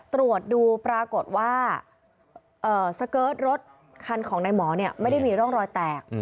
ตรวจดูปรากฏว่าสเกิร์ตรถคันของนายหมอไม่ได้มีร่องรอยแตก